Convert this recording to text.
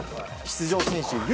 出場選手